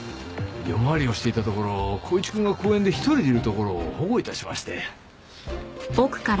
夜回りをしていたところ光一くんが公園で一人でいるところを保護致しまして。